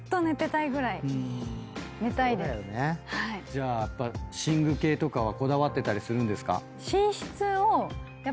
じゃあやっぱ寝具系とかはこだわってたりするんですか？